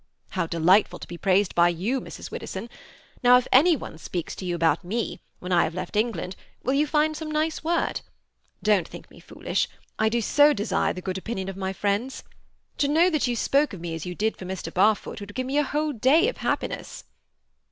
"How delightful to be praised by you, Mrs. Widdowson! Now if any one speaks to you about me, when I have left England, will you find some nice word? Don't think me foolish. I do so desire the good opinion of my friends. To know that you spoke of me as you did for Mr. Barfoot would give me a whole day of happiness."